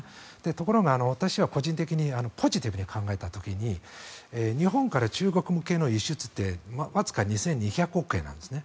ところが私は個人的にポジティブに考えた時に日本から中国向けの輸出ってわずか２２００億円なんですね。